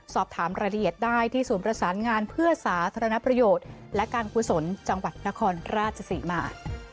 สอบถามรายละเอียดได้ที่ศูนย์ประสานงานเพื่อสาธารณประโยชน์และการกุศลจังหวัดนครราชศรีมา